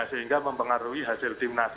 sehingga mempengaruhi hasil timnas